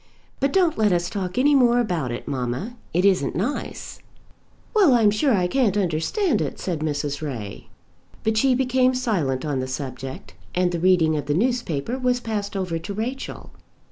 But don't let us talk any more about it, mamma. It isn't nice." "Well, I'm sure I can't understand it," said Mrs. Ray. But she became silent on the subject, and the reading of the newspaper was passed over to Rachel.